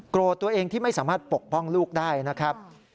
ตัวเองที่ไม่สามารถปกป้องลูกได้นะครับ